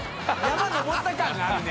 登った感があるね。